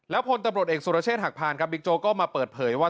พลตำรวจเอกสุรเชษฐหักพานครับบิ๊กโจ๊กก็มาเปิดเผยว่า